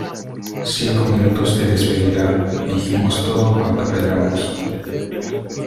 Cinco minutos de despedida, dijimos todo cuanto callamos.